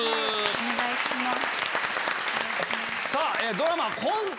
お願いします。